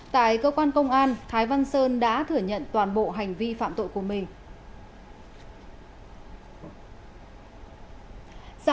tại cơ quan công an thái văn sơn đã thử nhận toàn bộ hành vi phạm tội của mình